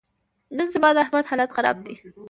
نن سبا د احمد حالت خراب دی.